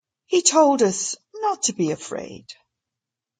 He told us not to be afraid.